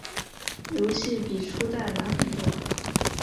游戏比初代难很多。